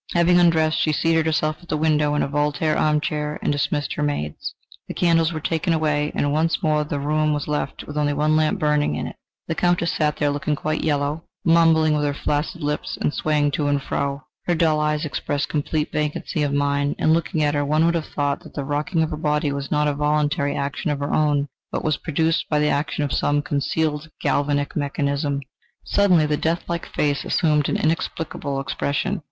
Having undressed, she seated herself at the window in a Voltaire armchair and dismissed her maids. The candles were taken away, and once more the room was left with only one lamp burning in it. The Countess sat there looking quite yellow, mumbling with her flaccid lips and swaying to and fro. Her dull eyes expressed complete vacancy of mind, and, looking at her, one would have thought that the rocking of her body was not a voluntary action of her own, but was produced by the action of some concealed galvanic mechanism. Suddenly the death like face assumed an inexplicable expression.